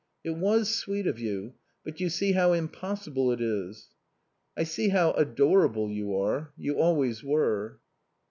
"It was sweet of you. But you see how impossible it is." "I see how adorable you are. You always were."